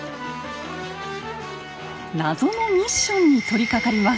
謎のミッションに取りかかります。